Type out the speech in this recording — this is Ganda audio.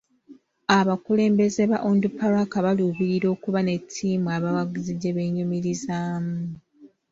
Abakulembeze ba Onduparaka baluubirira okuba ne ttiimu abawagizi gye beenyumirizaamu.